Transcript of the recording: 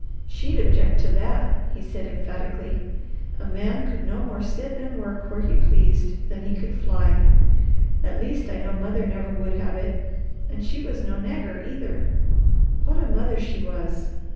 "She'd object to that!" he said emphatically. "A man could no more sit and work where he pleased than he could fly. At least I know mother never would have it, and she was no nagger, either. What a mother she was!